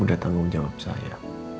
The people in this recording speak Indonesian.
udah tanggung jawab saya